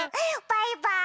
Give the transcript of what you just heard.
バイバーイ！